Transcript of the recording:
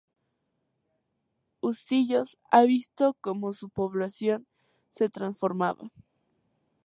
Husillos ha visto como su población se transformaba.